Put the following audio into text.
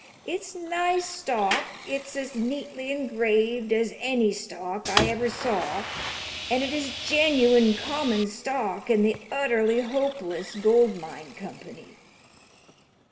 It's nice stock. It's as neatly engraved as any stock I ever saw, and it is genuine common stock in the Utterly Hopeless Gold Mine Company."